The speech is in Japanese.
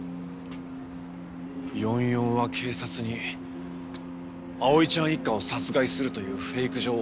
４４は警察に葵ちゃん一家を殺害するというフェイク情報を流した。